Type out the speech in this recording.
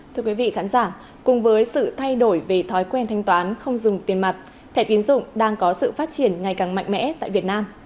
thưa quý vị khán giả cùng với sự thay đổi về thói quen thanh toán không dùng tiền mặt thẻ tiến dụng đang có sự phát triển ngày càng mạnh mẽ tại việt nam